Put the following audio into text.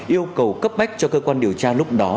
yêu cầu cấp bách cho cơ quan điều tra lúc đó